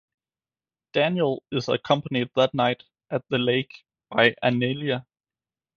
Daniel is accompanied that night at the lake by Aniela.